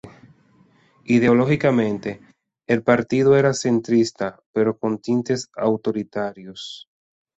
Ideológicamente, el partido era centrista, pero con tintes autoritarios.